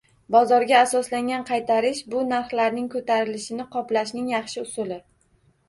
Bozorga asoslangan qaytarish-bu narxlarning ko'tarilishini qoplashning yaxshi usuli